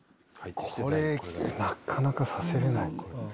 これなかなかさせれない。